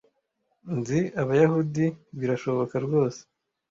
nzi abayahudi birashoboka rwose